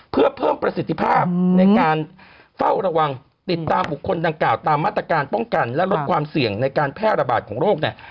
เพื่อเพิ่มประสิทธิภาพในการเฝ้าระวังติดตามบุคคลดังกล่าวตามมาตรการป้องกันและลดความเสี่ยงในการแพร่ระบาดของโรคเนี่ย